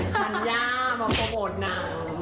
ธัญญามาโปรโมทนา